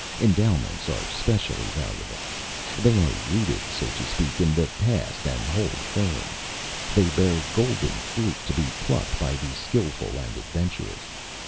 Endowments are specially valuable. They are rooted, so to speak, in the past, and hold firm. They bear golden fruit to be plucked by the skilful and adventurous.